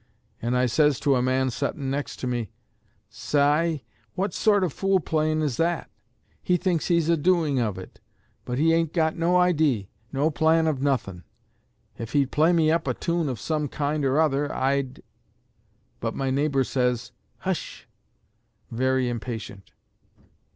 And I says to a man settin' next to me, s'I "what sort of fool play'n is that?... He thinks he's a doing of it; but he ain't got no idee, no plan of nuthin'. If he'd play me up a tune of some kind or other, I'd " But my neighbor says, "Heish!" very impatient....